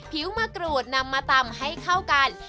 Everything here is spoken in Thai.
มะกรูดนำมาตำให้เข้ากัน